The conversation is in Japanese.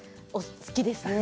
好きです。